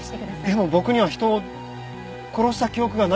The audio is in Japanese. でも僕には人を殺した記憶がないんです。